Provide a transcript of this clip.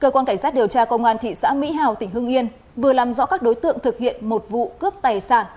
cơ quan cảnh sát điều tra công an thị xã mỹ hào tỉnh hưng yên vừa làm rõ các đối tượng thực hiện một vụ cướp tài sản